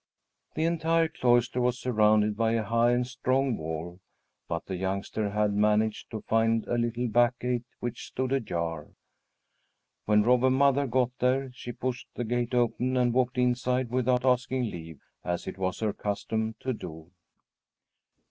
The entire cloister was surrounded by a high and strong wall, but the youngster had managed to find a little back gate which stood ajar. When Robber Mother got there, she pushed the gate open and walked inside without asking leave, as it was her custom to do.